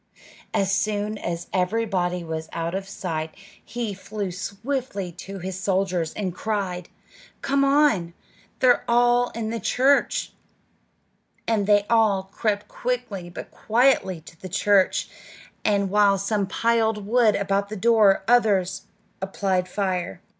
As soon as everybody was out of sight he flew swiftly to his soldiers and cried, "Come on; they're all in the church." Then they all crept quickly but quietly to the church, and while some piled wood about the door, others applied fire.